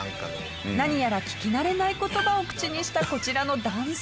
何やら聞き慣れない言葉を口にしたこちらの男性。